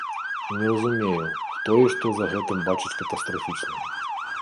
Не разумею, хто і што за гэтым бачыць катастрафічнага?